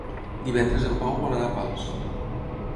Divendres en Pau vol anar a Pals.